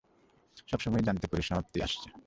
সবসময়ই জানতে পরিসমাপ্তি আসছে।